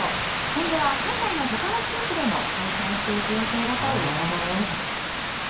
今後は県内の他の地域でも開催していく予定だということです。